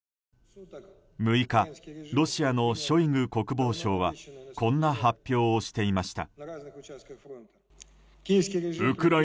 ６日ロシアのショイグ国防相はこんな発表をしていました。